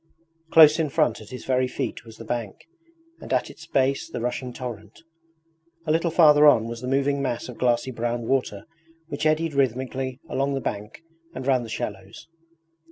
Close in front at his very feet was the bank, and at its base the rushing torrent. A little farther on was the moving mass of glassy brown water which eddied rhythmically along the bank and round the shallows.